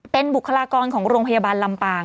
เป็นบุคลากรของโรงพยาบาลลำปาง